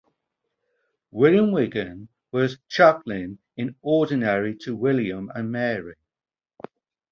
William Wigan was chaplain in ordinary to William and Mary.